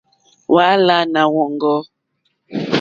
Hwáǃánáá wɔ̀ŋɡɔ́.